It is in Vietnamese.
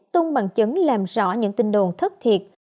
tung bằng chứng làm rõ những tin đồn thất thiệt